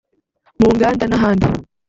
mu nganda n’ahandi